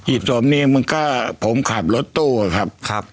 หยีบศพนี้มันก็ผมขับรถตู้ครับ